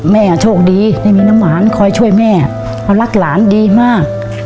แม่โชคดีไม่มีน้ำหวานคอยช่วยแม่เพราะรักหลานดีมาก